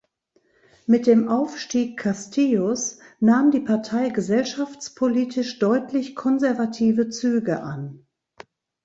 Mit dem Aufstieg Castillos nahm die Partei gesellschaftspolitisch deutlich konservative Züge an.